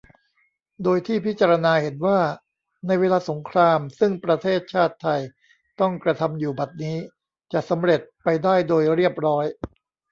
โดยที่พิจารณาเห็นว่า ในเวลาสงครามซึ่งประเทศชาติไทยต้องกระทำอยู่บัดนี้จะสำเร็จไปได้โดยเรียบร้อย